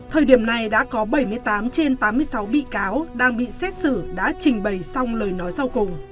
thời điểm này đã có bảy mươi tám trên tám mươi sáu bị cáo đang bị xét xử đã trình bày xong lời nói sau cùng